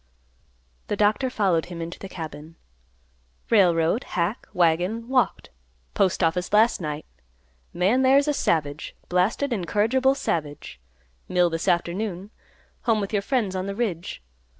The doctor followed him into the cabin. "Railroad, hack, wagon, walked. Postoffice last night. Man there is a savage, blasted incorrigible savage. Mill this afternoon. Home with your friends on the ridge.